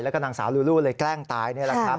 แล้วก็นางสาวลูลูเลยแกล้งตายนี่แหละครับ